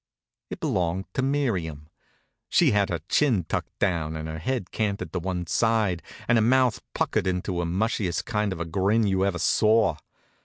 It belonged to Miriam. She had her chin tucked down, and her head canted to one side, and her mouth puckered into the mushiest kind of a grin you ever saw.